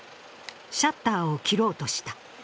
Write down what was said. シャッターを切ろうとした。